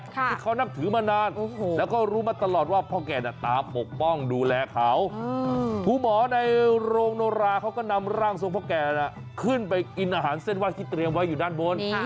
ที่เขานับถือมานานแล้วก็รู้มาตลอดว่าพ่อแก่ตาปกป้องดูแลเขาผู้หมอในโรงโนราเขาก็นำร่างทรงพ่อแก่ขึ้นไปกินอาหารเส้นไห้ที่เตรียมไว้อยู่ด้านบน